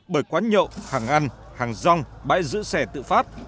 bởi quán nhậu hàng ăn hàng rong bãi giữ xe tự phát